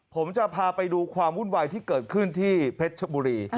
ผมจะพาไปดูความวุ่นวายที่เกิดขึ้นที่เพชรชบุรี